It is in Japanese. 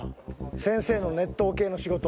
先生の熱湯系の仕事。